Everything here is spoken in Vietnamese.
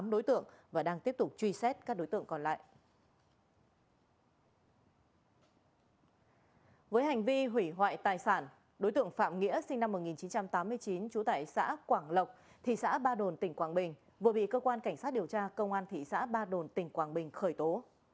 đối tượng phạm nghĩa sinh năm một nghìn chín trăm tám mươi chín trú tại xã quảng lộc thị xã ba đồn tỉnh quảng bình vừa bị cơ quan cảnh sát điều tra công an thị xã ba đồn tỉnh quảng bình khởi tố